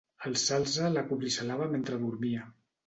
El salze la cobricelava mentre dormia.